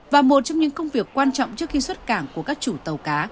và một trong những công việc quan trọng trước khi xuất cảng của các chủ tàu cá